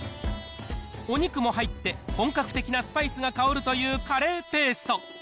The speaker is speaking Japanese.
お肉も入って本格的なスパイスが香るというカレーペースト。